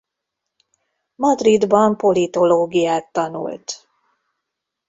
Madridban politológiát tanult.